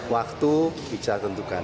waktu bisa tentukan